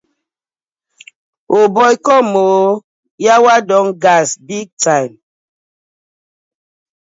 Old boy com ooo!!! Yawa don gas big time.